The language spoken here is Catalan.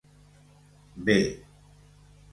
B